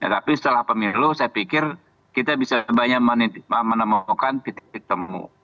tapi setelah pemilu saya pikir kita bisa banyak menemukan titik titik temu